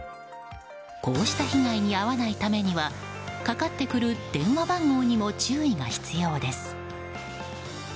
こうした被害に遭わないためにはかかってくる電話番号にも注意が必要です。